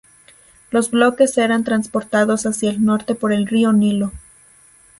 Los bloques eran transportados hacia el norte por el río Nilo.